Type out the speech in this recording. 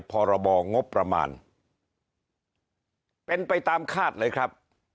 พรบงบประมาณเป็นไปตามคาดเลยครับ